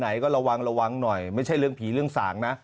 ไหนก็ระวังระวังหน่อยไม่ใช่เรื่องผีเรื่องสางนะ